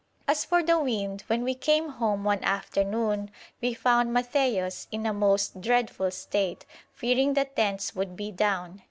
As for the wind, when we came home one afternoon we found Matthaios in a most dreadful state, fearing the tents would be down.